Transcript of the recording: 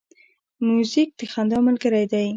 موزیک د خندا ملګری دی.